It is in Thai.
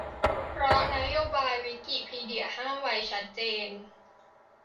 เพราะนโยบายวิกิพีเดียห้ามไว้ชัดเจน